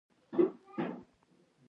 زه د اپ ډیټونه چک کوم.